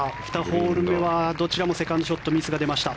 ２ホール目はどちらもセカンドショットミスが出ました。